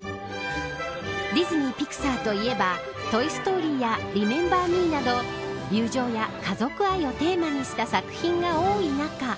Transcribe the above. ディズニー・ピクサーといえばトイ・ストーリーやリメンバー・ミーなど友情や家族愛をテーマにした作品が多い中。